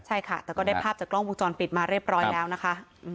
ใช่ค่ะแต่ก็ได้ภาพจากกล้องวงจรปิดมาเรียบร้อยแล้วนะคะ